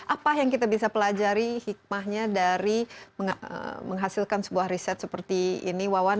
apa yang kita bisa pelajari hikmahnya dari menghasilkan sebuah riset seperti ini wawan